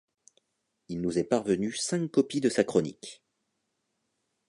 Il nous est parvenu cinq copies de sa chronique.